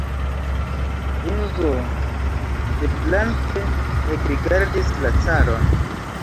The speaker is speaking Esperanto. Ringo deflanke ekrigardis la caron.